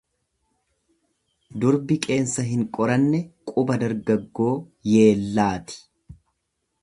Durbi qeensa hin qoranne quba dargaggoo yeellaati.